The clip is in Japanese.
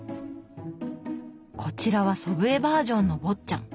こちらは祖父江バージョンの「坊っちゃん」。